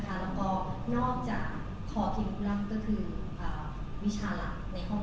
ถ้ามีแบบบุลเลียงท่านก็ไม่ต้องกลับไปหายละกัน